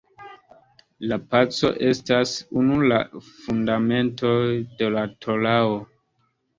La paco estas unu la fundamentoj de la Torao.